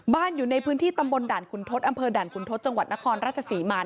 อยู่ในพื้นที่ตำบลด่านขุนทศอำเภอด่านขุนทศจังหวัดนครราชศรีมา